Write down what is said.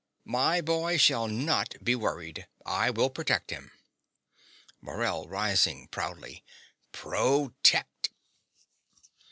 My boy shall not be worried: I will protect him. MORELL (rising proudly). Protect!